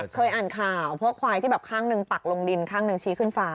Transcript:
เคยอ่านข่าวพวกควายที่แบบข้างหนึ่งปักลงดินข้างหนึ่งชี้ขึ้นฟ้า